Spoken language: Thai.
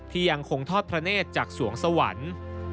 ยังคงทอดพระเนธจากสวงสวรรค์